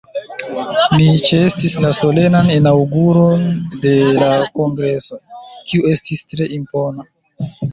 Mi ĉeestis la Solenan Inaŭguron de la kongreso, kiu estis tre impona.